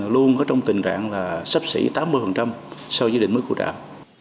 luôn có trong tình trạng sắp xỉ tám mươi so với đỉnh mức của trạm